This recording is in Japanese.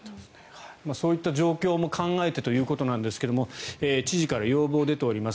そういった状況も考えてということなんですが知事から要望が出ています。